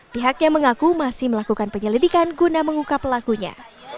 pihak yang mengaku masih melakukan penyelidikan guna mengungkap pelakunya